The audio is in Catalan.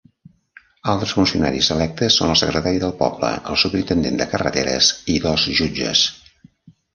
Altres funcionaris electes són el secretari del poble, el superintendent de carreteres i dos jutges.